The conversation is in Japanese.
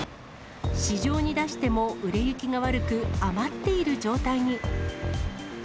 市場に出しても売れ行きが悪く、余っている状態に。